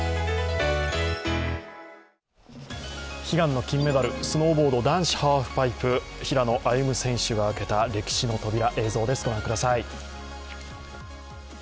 悲願の金メダル、スノーボード男子ハーフパイプ、平野歩夢選手が開けた歴史の扉、映像です、御覧ください。